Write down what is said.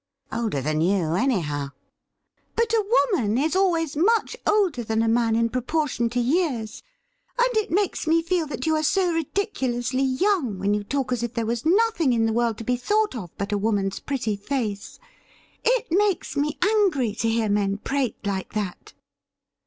' Older than you, anyhow.' ' But a woman is always much older than a man in proportion to years, and it makes me feel that you are so ridiculously young when you talk as if there was nothing in the world to be thought of but a woman's pretty face. It makes me angry to hear men prate like that.'